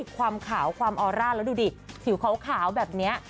ความขาวความออร่าแล้วดูดิผิวขาวแบบนี้